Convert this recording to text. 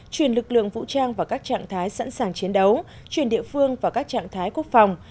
chuyển lực lượng vũ trang vào các trạng thái sẵn sàng chiến đấu chuyển địa phương vào các trạng thái quốc phòng